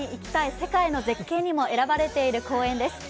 世界の絶景」にも選ばれている公園です。